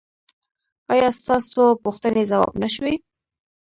ایا ستاسو پوښتنې ځواب نه شوې؟